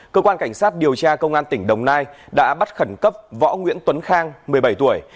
cơ quan cảnh sát điều tra công an tỉnh đồng nai đã bắt khẩn cấp võ nguyễn tuấn khang một mươi bảy tuổi